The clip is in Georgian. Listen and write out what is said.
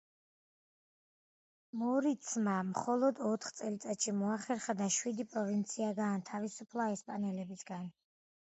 მორიცმა მხოლოდ ოთხ წელიწადში მოახერხა და შვიდი პროვინცია გაანთავისუფლა ესპანელებისაგან.